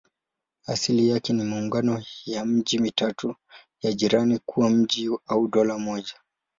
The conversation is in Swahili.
Asili yake ni maungano ya miji mitatu ya jirani kuwa mji au dola moja.